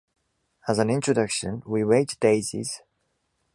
As an introduction, we weight daisies.